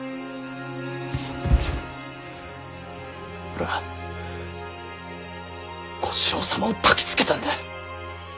俺は小四郎様をたきつけたんだ。